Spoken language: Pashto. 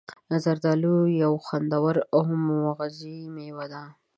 زردآلو یو خوندور او مغذي میوه ده.